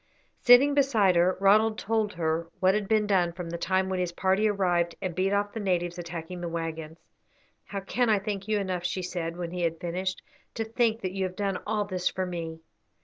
Sitting beside her, Ronald told her what had been done from the time when his party arrived and beat off the natives attacking the waggons. "How can I thank you enough?" she said, when he had finished. "To think that you have done all this for me."